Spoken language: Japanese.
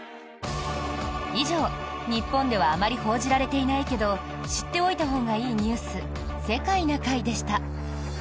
以上、日本ではあまり報じられていないけど知っておいたほうがいいニュース「世界な会」でした。